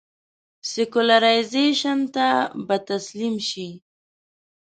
سیکولرایزېشن ته به تسلیم شي.